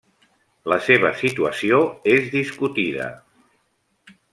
La seva situació és discutida.